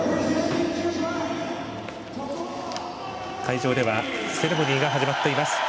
会場ではセレモニーが始まっています。